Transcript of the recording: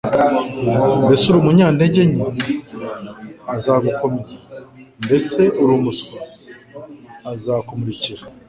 Mbese uri umunyantege nke? Azagukomeza. Mbese turi umuswa? Azakumurikira.